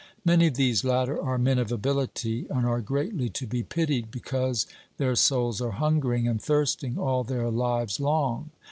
Many of these latter are men of ability, and are greatly to be pitied, because their souls are hungering and thirsting all their lives long.